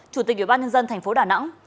chủ tịch ủy ban nhân dân tp đà nẵng